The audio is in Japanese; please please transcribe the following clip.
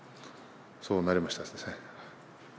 そうなりましたですね。